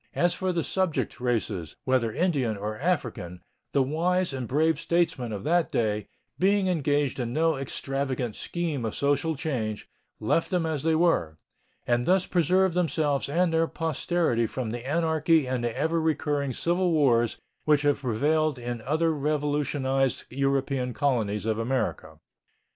As for the subject races, whether Indian or African, the wise and brave statesmen of that day, being engaged in no extravagant scheme of social change, left them as they were, and thus preserved themselves and their posterity from the anarchy and the ever recurring civil wars which have prevailed in other revolutionized European colonies of America.